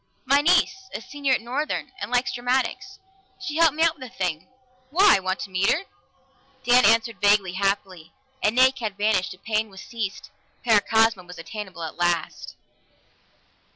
"My niece, a senior at Northern, and likes dramatics. She helped me out with the thing. Why? Want to meet her?" Dan answered vaguely, happily. An ache had vanished; a pain was eased. Paracosma was attainable at last!